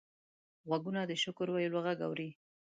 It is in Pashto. غوږونه د شکر ویلو غږ اوري